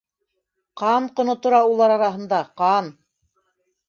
- Ҡан ҡоно тора улар араһында, ҡан...